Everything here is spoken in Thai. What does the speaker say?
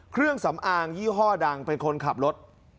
เครื่องสำอางยี่ห้อดังเป็นคนขับรถ